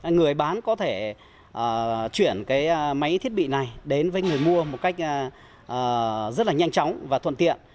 người bán có thể chuyển cái máy thiết bị này đến với người mua một cách rất là nhanh chóng và thuận tiện